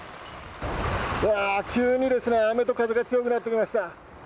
急に雨と風が強くなってきました。